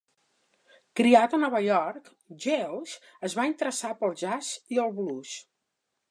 Criat a Nova York, Geils es va interessar pel jazz i el blues.